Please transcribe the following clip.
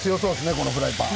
このフライパン。